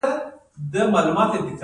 اذان د بلنې غږ دی